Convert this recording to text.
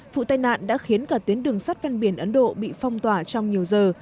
vụ tai nạn đã khiến cả tuyến đường sắt ven biển ấn độ bị phong tỏa trong nhiều giờ